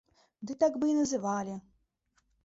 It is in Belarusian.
Дык так бы і называлі!